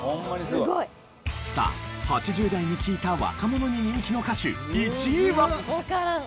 さあ８０代に聞いた若者に人気の歌手１位は。